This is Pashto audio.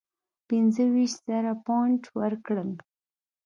پنځه ویشت زره پونډه ورکړل.